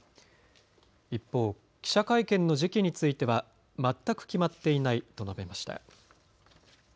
一方、記者会見の時期については全く決まっていないと述べました。